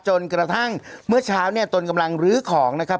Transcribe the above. จนกระทั่งเมื่อเช้าเนี่ยตนกำลังลื้อของนะครับ